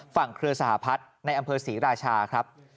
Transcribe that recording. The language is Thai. ฝั่งเครือสหพัฒนธ์ในอำเภอศรีราชา